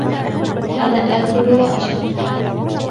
أنا آكل وأشرب.